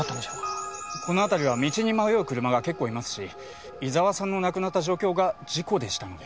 この辺りは道に迷う車が結構いますし伊沢さんの亡くなった状況が事故でしたので。